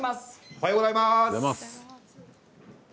おはようございます。